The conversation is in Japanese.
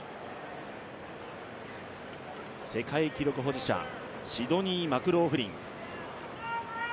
世界記録保持者、シドニー・マクローフリン。